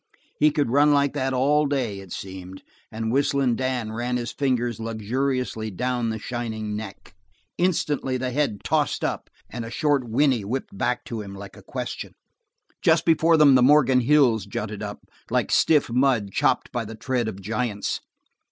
He could run like that all day, it seemed, and Whistling Dan ran his fingers luxuriously down the shining neck. Instantly the head tossed up, and a short whinney whipped back to him like a question. Just before them the Morgan Hills jutted up, like stiff mud chopped by the tread of giants.